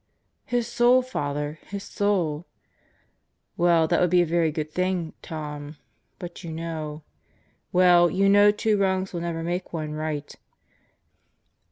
"His soul, Father; his soul." "That would be a very good thing, Tom. But you know ... Well, you know two wrongs will never make one right."